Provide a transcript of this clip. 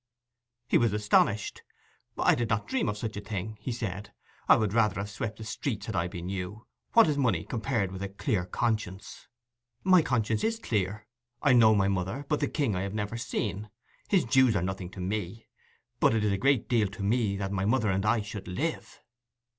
He was astonished. 'I did not dream of such a thing,' he said. 'I would rather have swept the streets, had I been you. What is money compared with a clear conscience?' 'My conscience is clear. I know my mother, but the king I have never seen. His dues are nothing to me. But it is a great deal to me that my mother and I should live.